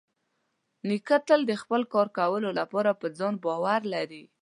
نیکه تل د خپل کار کولو لپاره په ځان باور لري.